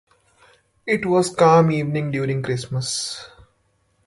It was a calm evening during Christmas.